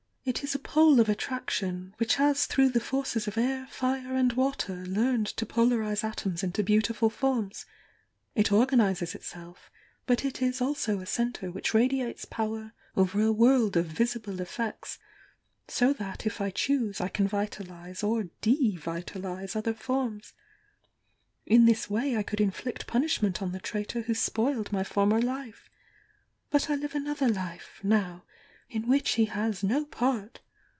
"It is a pole of attraction, which has through the forces of air, fire and water learned to polarise atoms into beautiful forms. It organises itself; but it is also a centre whicl) radiates power over a world of visible effects. So that if I choose I can vitalise or rfevitalise other forms. In this way I could inflict punishment on the traitor who spoiled my former life — but I live another life, now, in which he has no part.